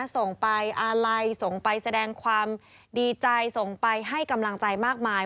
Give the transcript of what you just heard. ส่งไปอาลัยส่งไปแสดงความดีใจส่งไปให้กำลังใจมากมาย